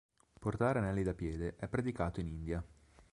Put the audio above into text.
Portare anelli da piede è praticato in India.